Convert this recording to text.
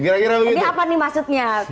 jadi apa nih maksudnya